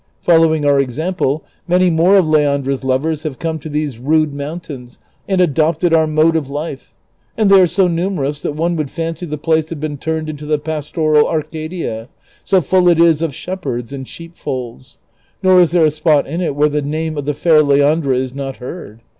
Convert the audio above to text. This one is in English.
Following our example, man} more of Leandra's lovei's have come to these rude mountains and adoj^ted our mode of life, and they are so numerous that one would fancy the place had been tuL ned into tiie pastoral Arcadia, so full it is of shepherds and sheep folds ; nor is there a spot in it where the name of the fair Leandra is not heard.